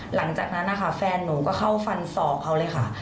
หลังจากนั้นนะคะแฟนหนูก็เข้าฟันศอกเขาเลยค่ะ